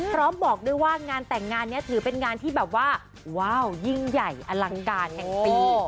บอกด้วยว่างานแต่งงานนี้ถือเป็นงานที่แบบว่าว้าวยิ่งใหญ่อลังการแห่งปี